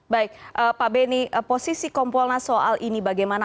baik pak beni posisi kompolnas soal ini bagaimana